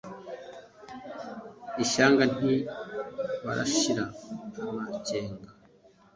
Ishyanga nti baranshira amakenga,